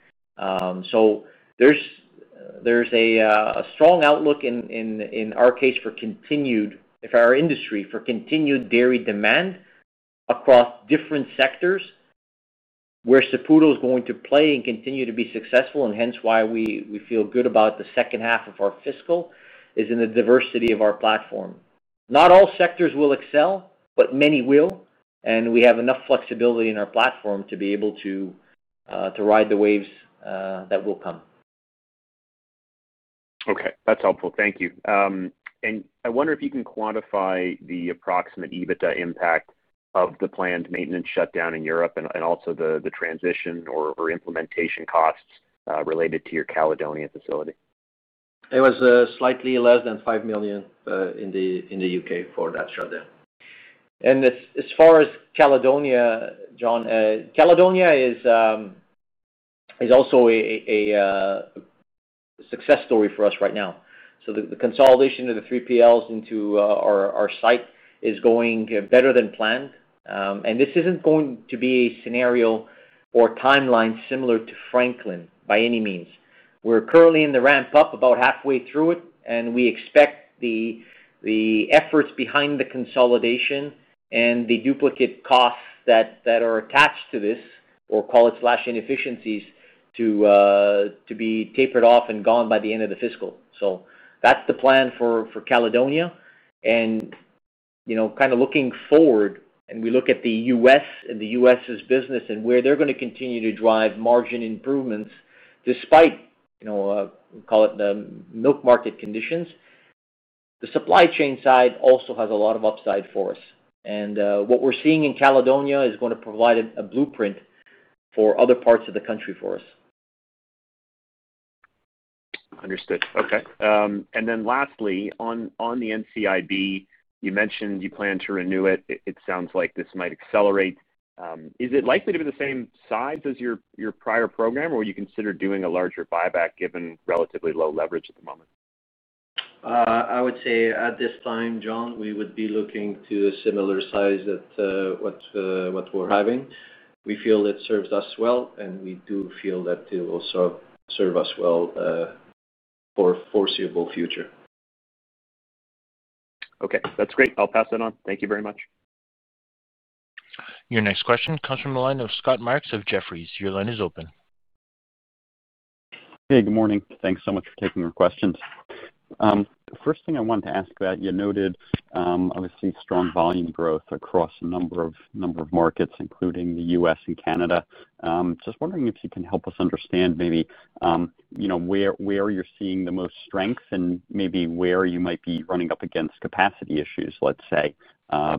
There is a strong outlook in our case for continued, if our industry, for continued dairy demand across different sectors where Saputo is going to play and continue to be successful, and hence why we feel good about the second half of our fiscal is in the diversity of our platform. Not all sectors will excel, but many will. We have enough flexibility in our platform to be able to ride the waves that will come. Okay. That's helpful. Thank you. I wonder if you can quantify the approximate EBITDA impact of the planned maintenance shutdown in Europe and also the transition or implementation costs related to your Caledonia facility. It was slightly less than $5 million in the U.K. for that shutdown. As far as Caledonia, John, Caledonia is also a success story for us right now. The consolidation of the three PLs into our site is going better than planned. This is not going to be a scenario or timeline similar to Franklin by any means. We are currently in the ramp-up, about halfway through it, and we expect the efforts behind the consolidation and the duplicate costs that are attached to this, or call it slash inefficiencies, to be tapered off and gone by the end of the fiscal. That is the plan for Caledonia. Kind of looking forward, and we look at the U.S. and the U.S.'s business and where they're going to continue to drive margin improvements despite, we call it, the milk market conditions, the supply chain side also has a lot of upside for us. What we're seeing in Caledonia is going to provide a blueprint for other parts of the country for us. Understood. Okay. Lastly, on the NCIB, you mentioned you plan to renew it. It sounds like this might accelerate. Is it likely to be the same size as your prior program, or will you consider doing a larger buyback given relatively low leverage at the moment? I would say at this time, John, we would be looking to a similar size to what we're having. We feel it serves us well, and we do feel that it will also serve us well for a foreseeable future. Okay. That's great. I'll pass that on. Thank you very much. Your next question comes from the line of Scott Marks of Jefferies. Your line is open. Hey, good morning. Thanks so much for taking our questions. The first thing I wanted to ask about, you noted, obviously, strong volume growth across a number of markets, including the U.S. and Canada. Just wondering if you can help us understand maybe where you're seeing the most strength and maybe where you might be running up against capacity issues, let's say,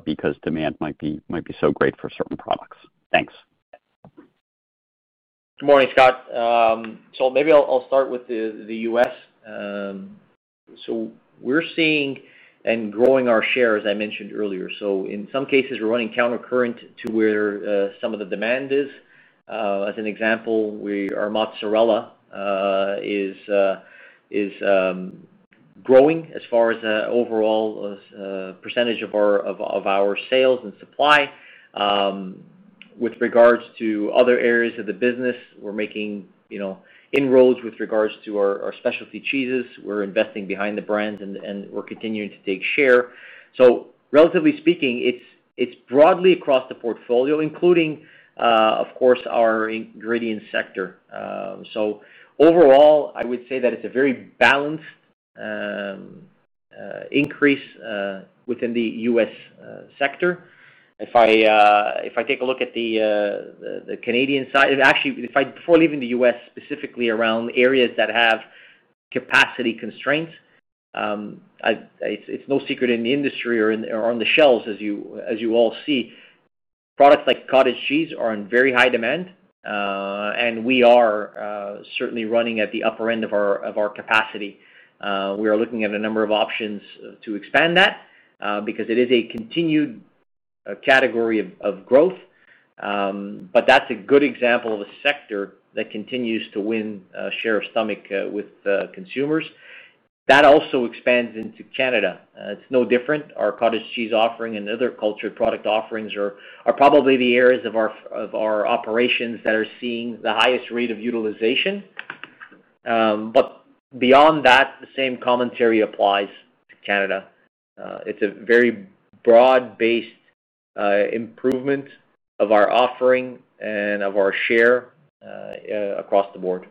because demand might be so great for certain products. Thanks. Good morning, Scott. Maybe I'll start with the U.S. We're seeing and growing our share, as I mentioned earlier. In some cases, we're running countercurrent to where some of the demand is. As an example, our mozzarella is growing as far as an overall percentage of our sales and supply. With regards to other areas of the business, we're making inroads with regards to our specialty cheeses. We're investing behind the brands, and we're continuing to take share. Relatively speaking, it's broadly across the portfolio, including, of course, our ingredients sector. Overall, I would say that it's a very balanced increase within the U.S. sector. If I take a look at the Canadian side—actually, before leaving the U.S., specifically around areas that have capacity constraints, it's no secret in the industry or on the shelves, as you all see. Products like cottage cheese are in very high demand, and we are certainly running at the upper end of our capacity. We are looking at a number of options to expand that because it is a continued category of growth. That is a good example of a sector that continues to win share of stomach with consumers. That also expands into Canada. It is no different. Our cottage cheese offering and other cultured product offerings are probably the areas of our operations that are seeing the highest rate of utilization. Beyond that, the same commentary applies to Canada. It is a very broad-based improvement of our offering and of our share across the board.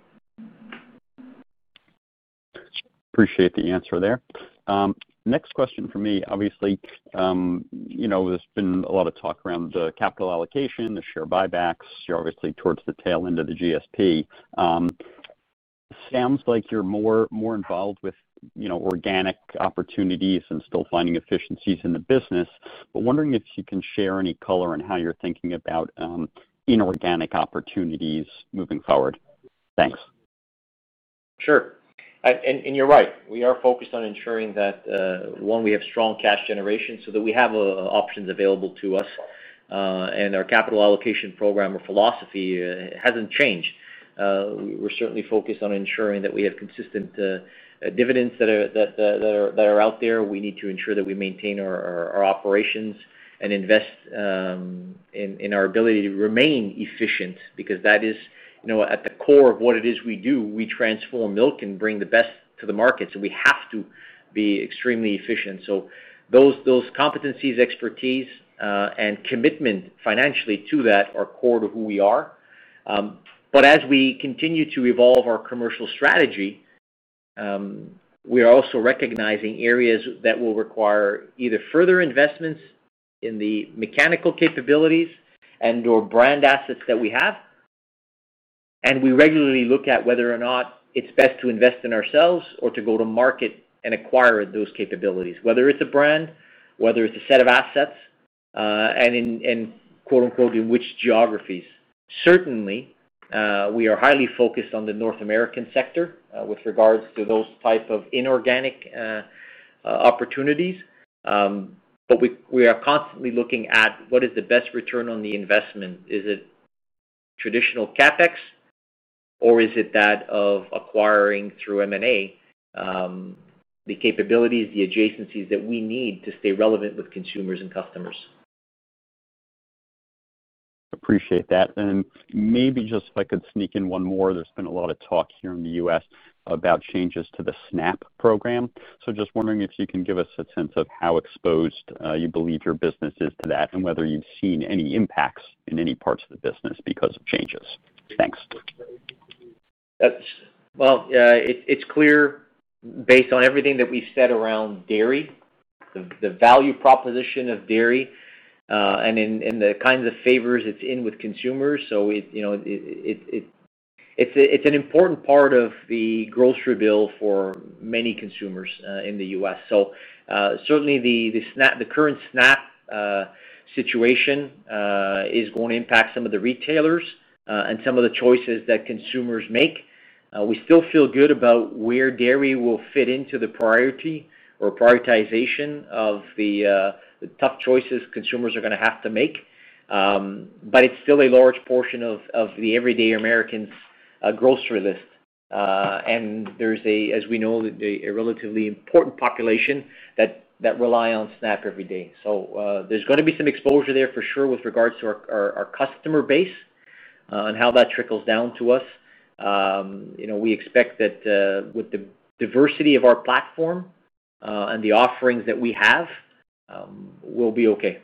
Appreciate the answer there. Next question for me, obviously, there's been a lot of talk around the capital allocation, the share buybacks, obviously towards the tail end of the GSP. Sounds like you're more involved with organic opportunities and still finding efficiencies in the business. Wondering if you can share any color on how you're thinking about inorganic opportunities moving forward. Thanks. Sure. You are right. We are focused on ensuring that, one, we have strong cash generation so that we have options available to us. Our capital allocation program or philosophy has not changed. We are certainly focused on ensuring that we have consistent dividends that are out there. We need to ensure that we maintain our operations and invest in our ability to remain efficient because that is at the core of what it is we do. We transform milk and bring the best to the market. We have to be extremely efficient. Those competencies, expertise, and commitment financially to that are core to who we are. As we continue to evolve our commercial strategy, we are also recognizing areas that will require either further investments in the mechanical capabilities and/or brand assets that we have. We regularly look at whether or not it's best to invest in ourselves or to go to market and acquire those capabilities, whether it's a brand, whether it's a set of assets, and in which geographies. Certainly, we are highly focused on the North American sector with regards to those types of inorganic opportunities. We are constantly looking at what is the best return on the investment. Is it traditional CapEx, or is it that of acquiring through M&A the capabilities, the adjacencies that we need to stay relevant with consumers and customers? Appreciate that. Maybe just if I could sneak in one more. There has been a lot of talk here in the U.S. about changes to the SNAP program. Just wondering if you can give us a sense of how exposed you believe your business is to that and whether you have seen any impacts in any parts of the business because of changes. Thanks. Yeah, it's clear based on everything that we've said around dairy, the value proposition of dairy, and the kinds of favors it's in with consumers. It's an important part of the grocery bill for many consumers in the U.S. Certainly, the current SNAP situation is going to impact some of the retailers and some of the choices that consumers make. We still feel good about where dairy will fit into the priority or prioritization of the tough choices consumers are going to have to make. It's still a large portion of the everyday American's grocery list. As we know, there's a relatively important population that rely on SNAP every day. There's going to be some exposure there for sure with regards to our customer base and how that trickles down to us. We expect that with the diversity of our platform and the offerings that we have, we'll be okay.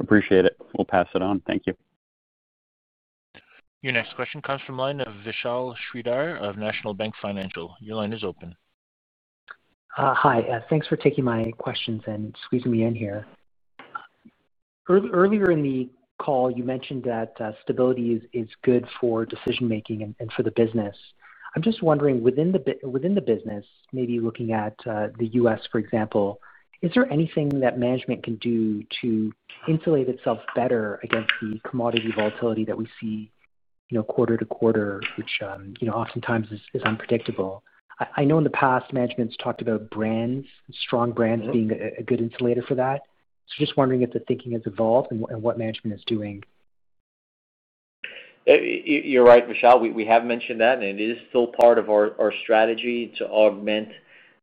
Appreciate it. We'll pass it on. Thank you. Your next question comes from Vishal Shreedhar of National Bank Financial. Your line is open. Hi. Thanks for taking my questions and squeezing me in here. Earlier in the call, you mentioned that stability is good for decision-making and for the business. I'm just wondering, within the business, maybe looking at the U.S., for example, is there anything that management can do to insulate itself better against the commodity volatility that we see quarter to quarter, which oftentimes is unpredictable? I know in the past, management's talked about brands, strong brands being a good insulator for that. Just wondering if the thinking has evolved and what management is doing. You're right, Vishal. We have mentioned that, and it is still part of our strategy to augment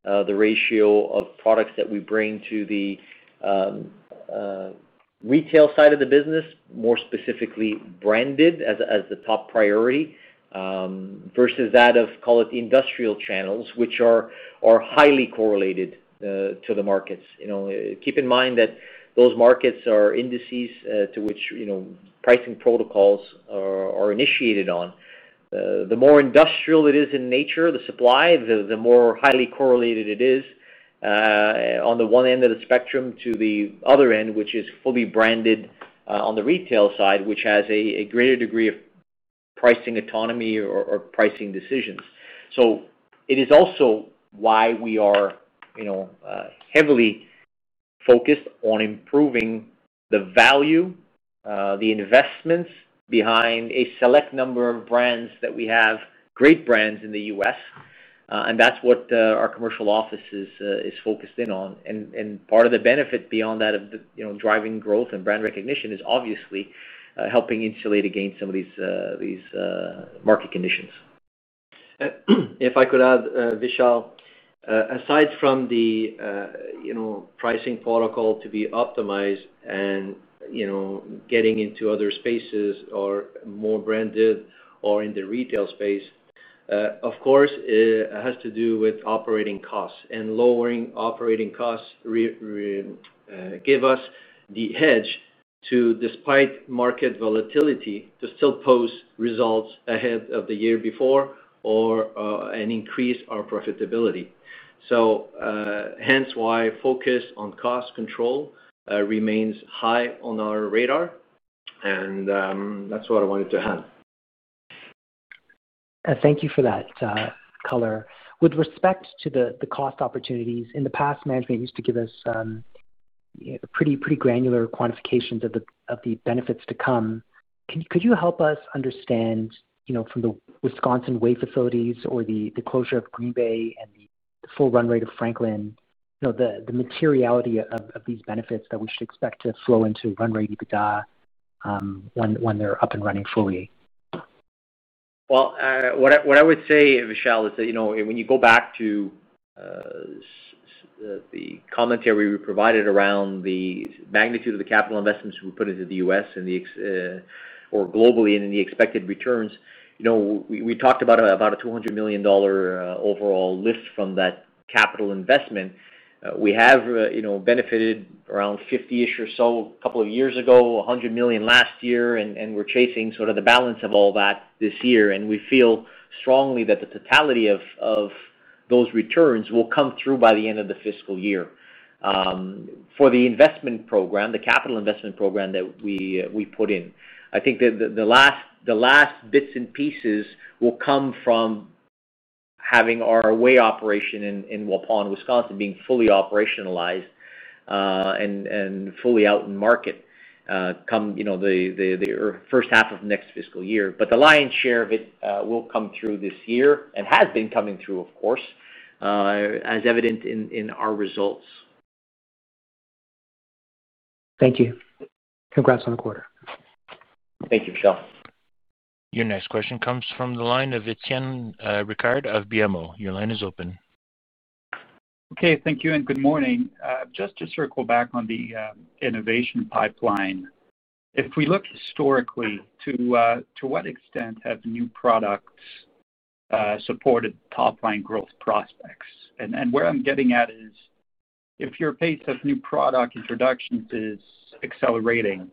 the ratio of products that we bring to the retail side of the business, more specifically branded as the top priority versus that of, call it, industrial channels, which are highly correlated to the markets. Keep in mind that those markets are indices to which pricing protocols are initiated on. The more industrial it is in nature, the supply, the more highly correlated it is on the one end of the spectrum to the other end, which is fully branded on the retail side, which has a greater degree of pricing autonomy or pricing decisions. It is also why we are heavily focused on improving the value, the investments behind a select number of brands that we have, great brands in the U.S. That is what our commercial office is focused in on. Part of the benefit beyond that of driving growth and brand recognition is obviously helping insulate against some of these market conditions. If I could add, Vishal, aside from the pricing protocol to be optimized and getting into other spaces or more branded or in the retail space, of course, it has to do with operating costs. Lowering operating costs gives us the edge to, despite market volatility, still post results ahead of the year before or increase our profitability. That is why focus on cost control remains high on our radar. That is what I wanted to add. Thank you for that, Color. With respect to the cost opportunities, in the past, management used to give us pretty granular quantifications of the benefits to come. Could you help us understand from the Wisconsin whey facilities or the closure of Green Bay and the full run rate of Franklin, the materiality of these benefits that we should expect to flow into run rate EBITDA when they're up and running fully? What I would say, Vishal, is that when you go back to the commentary we provided around the magnitude of the capital investments we put into the U.S. or globally and in the expected returns, we talked about a $200 million overall lift from that capital investment. We have benefited around $50 million or so a couple of years ago, $100 million last year, and we are chasing sort of the balance of all that this year. We feel strongly that the totality of those returns will come through by the end of the fiscal year. For the investment program, the capital investment program that we put in, I think the last bits and pieces will come from having our whey operation in Waupun, Wisconsin, being fully operationalized and fully out in market come the first half of next fiscal year. The lion's share of it will come through this year and has been coming through, of course, as evident in our results. Thank you. Congrats on the quarter. Thank you, Michelle. Your next question comes from the line of Etienne Ricard of BMO. Your line is open. Okay. Thank you and good morning. Just to circle back on the innovation pipeline, if we look historically, to what extent have new products supported top-line growth prospects? Where I'm getting at is, if your pace of new product introductions is accelerating,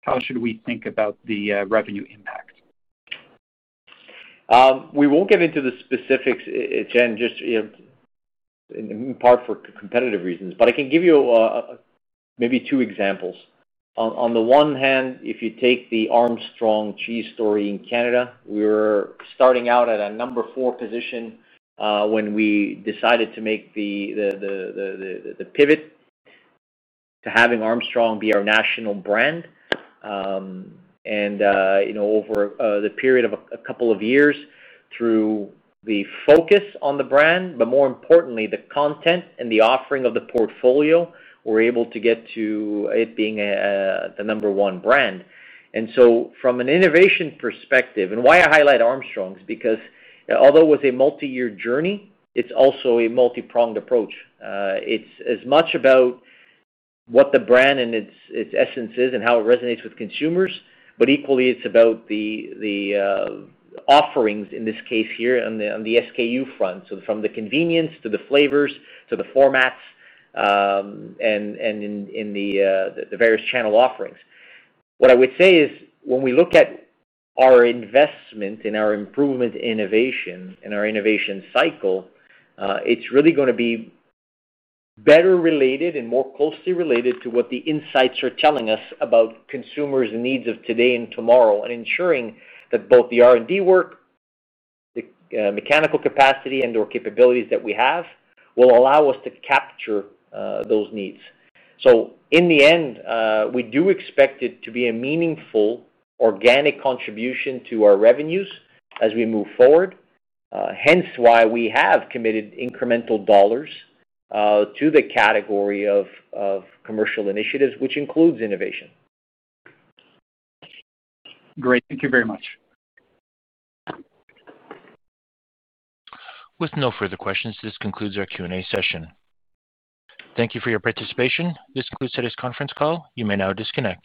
how should we think about the revenue impact? We will not get into the specifics, Etienne, just in part for competitive reasons. I can give you maybe two examples. On the one hand, if you take the Armstrong Cheese story in Canada, we were starting out at a number four position when we decided to make the pivot to having Armstrong be our national brand. Over the period of a couple of years, through the focus on the brand, but more importantly, the content and the offering of the portfolio, we are able to get to it being the number one brand. From an innovation perspective and why I highlight Armstrong is because although it was a multi-year journey, it is also a multi-pronged approach. It is as much about what the brand and its essence is and how it resonates with consumers, but equally, it is about the offerings, in this case here, on the SKU front. From the convenience to the flavors to the formats and in the various channel offerings. What I would say is, when we look at our investment and our improvement innovation and our innovation cycle, it is really going to be better related and more closely related to what the insights are telling us about consumers' needs of today and tomorrow and ensuring that both the R&D work, the mechanical capacity, and/or capabilities that we have will allow us to capture those needs. In the end, we do expect it to be a meaningful organic contribution to our revenues as we move forward. Hence why we have committed incremental dollars to the category of commercial initiatives, which includes innovation. Great. Thank you very much. With no further questions, this concludes our Q&A session. Thank you for your participation. This concludes today's conference call. You may now disconnect.